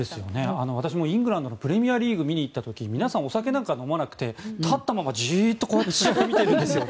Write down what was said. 私もイングランドのプレミアリーグを見に行った時皆さん、お酒なんか飲まなくて立ったまま、ジーッとこうやって試合を見てるんです。